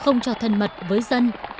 không cho thân mật với dân